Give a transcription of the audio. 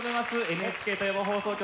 ＮＨＫ富山放送局